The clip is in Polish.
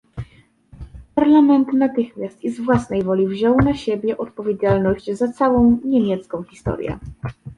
Parlament natychmiast i z własnej woli wziął na siebie odpowiedzialność za całą niemiecką historię